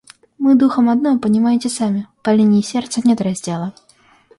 Мы духом одно, понимаете сами: по линии сердца нет раздела.